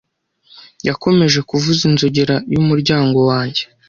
Yakomeje kuvuza inzogera y'umuryango wanjye.